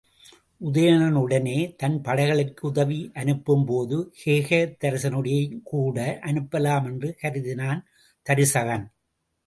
உதயணனுடனே தன் படைகளை உதவிக்கு அனுப்பும்போது கேகயத்தரசனையும்கூட அனுப்பலாம் என்று கருதினான் தருசகன்.